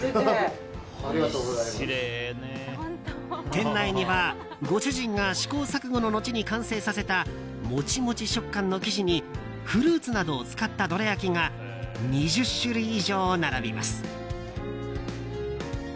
店内には、ご主人が試行錯誤の後に完成させたモチモチ食感の生地にフルーツなどを使ったどら焼きが２０種類以上並びます。